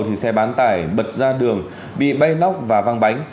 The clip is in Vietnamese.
thì xe bán tải bật ra đường bị bay nóc và văng bánh